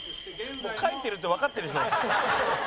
もう、書いてるってわかってるでしょ。